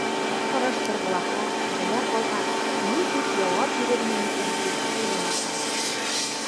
Һораштырғылаһа, белә ҡалһа, ни тип яуап бирермен икән, тип үҙен ашаны.